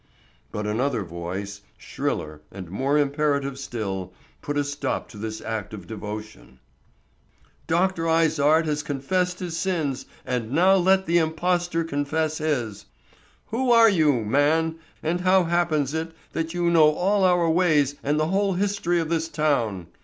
But another voice, shriller and more imperative still, put a stop to this act of devotion. "Dr. Izard has confessed his sins, and now let the impostor confess his. Who are you, man, and how happens it that you know all our ways and the whole history of this town?"